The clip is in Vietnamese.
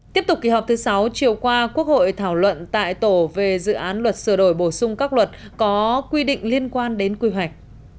tiếp tục kỳ họp thứ sáu chiều qua quốc hội thảo luận tại tổ về dự án luật sửa đổi bổ sung các luật có quy định liên quan đến quy hoạch